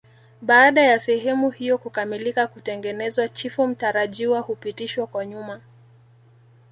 Baada ya sehemu hiyo kukamilika kutengenezwa chifu mtarajiwa hupitishwa kwa nyuma